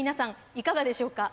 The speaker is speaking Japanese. いかがでしょうか？